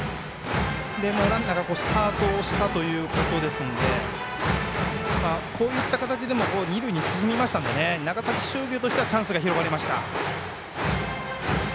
ランナーが、もうスタートをしたということですのでこういった形でも二塁に進みましたので長崎商業としてはチャンスが広がりました。